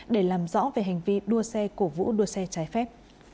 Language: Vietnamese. để làm rõ về hành vi đua xe cổ vũ đua xe trái phép